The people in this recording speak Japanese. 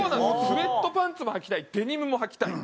スウェットパンツも穿きたいデニムも穿きたい。